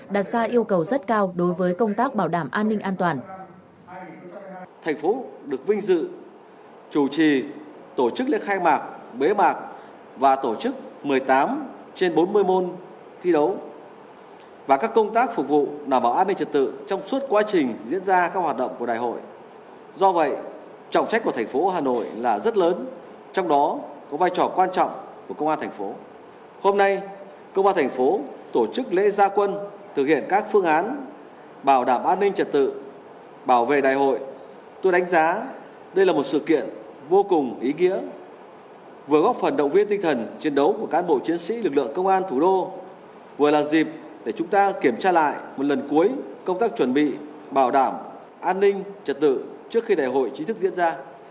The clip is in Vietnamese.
đây là một sự kiện vô cùng ý nghĩa vừa góp phần động viên tinh thần chiến đấu của cán bộ chiến sĩ lực lượng công an thủ đô vừa là dịp để chúng ta kiểm tra lại một lần cuối công tác chuẩn bị bảo đảm an ninh trật tự trước khi đại hội chính thức diễn ra